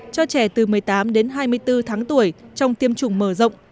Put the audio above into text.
cho trẻ từ một mươi tám đến hai mươi bốn tháng tuổi trong tiêm chủng mở rộng